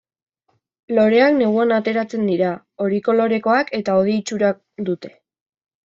Loreak neguan ateratzen dira, hori kolorekoak eta hodi itxura dute.